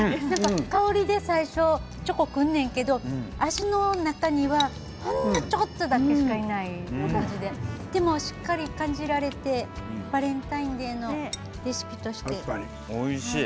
香りで最初チョコがくるんだけど味の中には、ほんのちょこっとしかいないでもしっかり感じられてバレンタインデーのレシピとしておいしい。